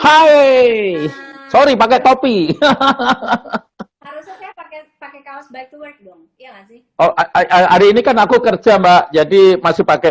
hai sorry pakai topi hahaha pakai kaos baik dong oh hari ini kan aku kerja mbak jadi masih pakai